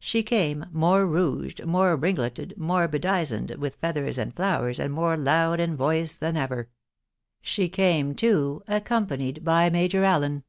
She came more rouged, more ringleted, more bedizened with feathers and flowers, and more loud in voice than ever. ... She came, too, accompanied by Major Allen.